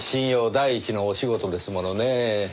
第一のお仕事ですものねぇ。